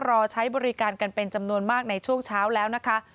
รอใช้บริการกันเป็นจำนวนมากในช่วงเช้าแล้วนะคะ